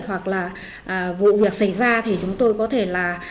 hoặc là vụ việc xảy ra thì chúng tôi có thể là